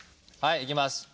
はい。いきます。